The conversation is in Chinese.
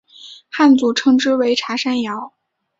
汉族称之为茶山瑶。